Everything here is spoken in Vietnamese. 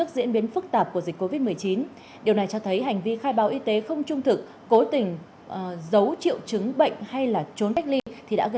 xin chào và hẹn gặp lại